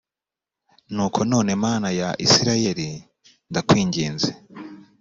nuko none mana ya isirayeli ndakwinginze